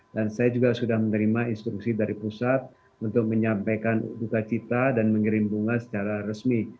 dan saya juga sudah menerima instruksi dari pusat untuk menyampaikan buka cita dan mengirim bunga secara resmi